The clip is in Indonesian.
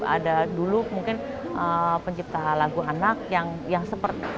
ada dulu mungkin pencipta lagu anak yang seperti